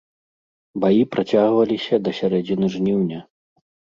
Баі працягваліся да сярэдзіны жніўня.